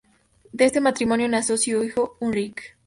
De este matrimonio nació su hijo Ulrich.